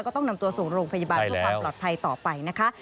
ก็ต้องนำตัวส่งโรงพยาบาลเพื่อความปลอดภัยต่อไปนะคะ